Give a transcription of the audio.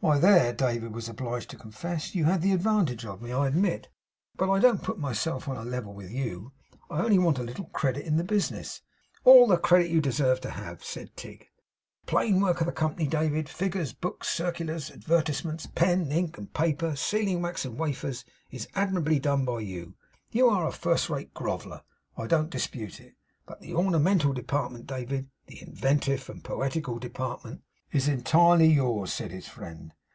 'Why, there,' David was obliged to confess, 'you had the advantage of me, I admit. But I don't put myself on a level with you. I only want a little credit in the business.' 'All the credit you deserve to have,' said Tigg. 'The plain work of the company, David figures, books, circulars, advertisements, pen, ink, and paper, sealing wax and wafers is admirably done by you. You are a first rate groveller. I don't dispute it. But the ornamental department, David; the inventive and poetical department ' 'Is entirely yours,' said his friend.